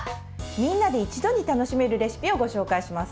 みんなで一度に楽しめるレシピをご紹介します。